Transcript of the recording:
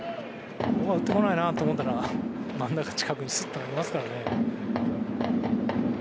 打ってこないなと思ったら真ん中近くにすっと投げますからね。